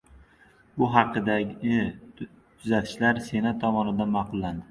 Bu haqidagi tuzatishlar Senat tomonidan ma’qullandi